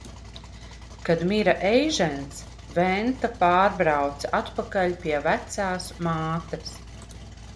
Kad mira Eižens, Venta pārbrauca atpakaļ pie vecās mātes.